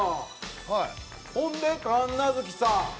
ほんで神奈月さん。